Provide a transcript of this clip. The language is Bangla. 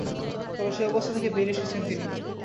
তবে সেই অবস্থা থেকে বেরিয়ে এসেছেন তিনি।